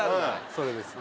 それです。